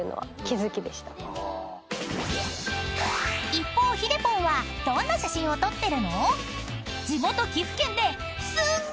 ［一方ひでぽんはどんな写真を撮ってるの？］